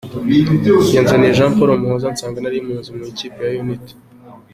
Yanzaniye Jean Paul Muhoza nsanga nari muzi mu ikipe ya Unity.